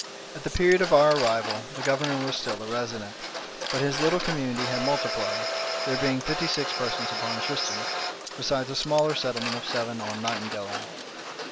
At the period of our arrival the governor was still a resident, but his little community had multiplied, there being fifty six persons upon Tristan, besides a smaller settlement of seven on Nightingale Island.